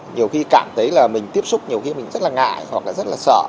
nhiều khi cảm thấy là mình tiếp xúc nhiều khi mình rất là ngại hoặc là rất là sợ